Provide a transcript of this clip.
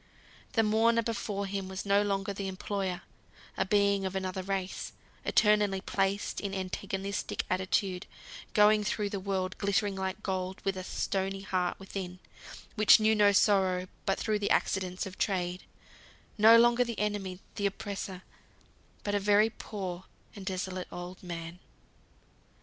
The mourner before him was no longer the employer; a being of another race, eternally placed in antagonistic attitude; going through the world glittering like gold, with a stony heart within, which knew no sorrow but through the accidents of Trade; no longer the enemy, the oppressor, but a very poor and desolate old man.